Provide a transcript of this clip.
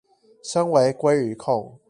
身為鮭魚控